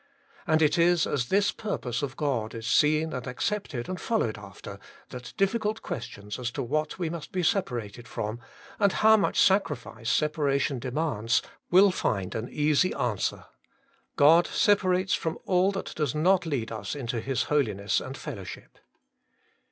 And it is as this purpose of God is seen and accepted and followed after, that difficult questions as to what we must be separated from, and how much sacrifice separation demands, will find an easy answer. God separates from all that does not lead us into His holiness and fellowship.